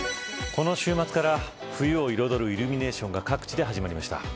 この週末から冬を彩るイルミネーションが各地で始まりました。